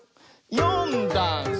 「よんだんす」